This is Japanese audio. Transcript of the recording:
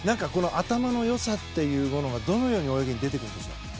頭の良さというのがどのように泳ぎに出てくるんでしょうか？